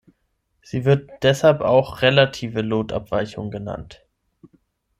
Sie wird deshalb auch "relative" Lotabweichung genannt.